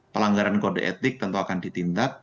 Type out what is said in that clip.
pelanggaran kode etik tentu akan ditindak